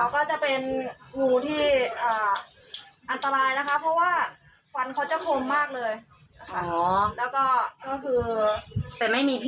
ก็จะเป็นรูที่อันตรายนะคะเพราะว่าฟันเขาจะคมมากเลยค่ะ